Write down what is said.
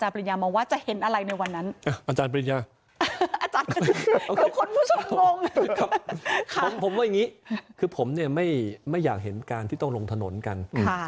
ผมว่าอย่างนี้คือผมเนี่ยไม่อยากเห็นการที่ต้องลงถนนกัน